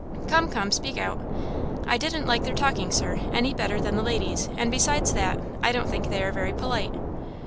"Come, come; speak out." "I didn't like their talking, Sir, any better than the ladies, and besides that, I don't think they are very polite."